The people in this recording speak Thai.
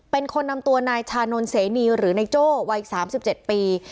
เป็นคนนำตัวนายชานนท์เสนีหรือนายโจ้วัย๓๗ปี